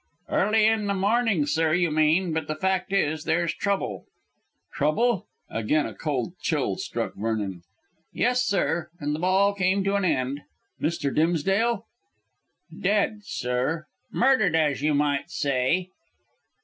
"Early in the morning, sir, you mean. But the fact is, there's trouble." "Trouble!" Again a cold chill struck Vernon. "Yes, sir, and the ball came to an end." "Mr. Dimsdale?" "Dead, sir. Murdered, as you might say."